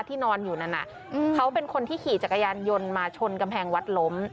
นอนอยู่นั่นเขาเป็นคนที่ขี่จักรยานยนต์มาชนกำแพงวัดล้ม